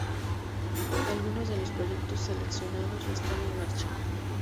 Algunos de los proyectos seleccionados ya están en marcha.